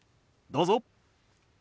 どうぞ。